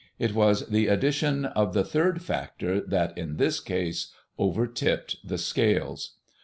It was the addition of the third factor that in this case overtipped the scales.